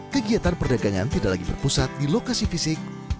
kegiatan perdagangan tidak lagi berpusat di lokasi fisik